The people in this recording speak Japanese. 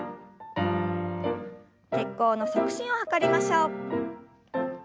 血行の促進を図りましょう。